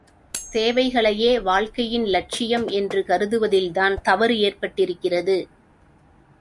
தேவைகளையே வாழ்க்கையின் இலட்சியம் என்று கருதுவதில் தான் தவறு ஏற்பட்டிருக்கிறது.